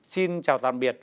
xin chào tạm biệt